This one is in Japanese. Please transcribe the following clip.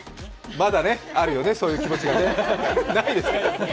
まだね、あるよね、そういう気持ちがね、ないです？